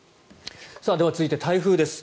では、続いて、台風です。